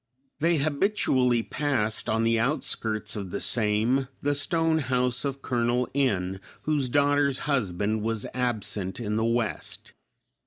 They habitually passed, on the outskirts of the same, the stone house of Col. N , whose daughter's husband was absent in the West.